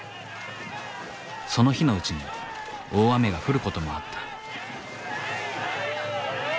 その日のうちに大雨が降ることもあった。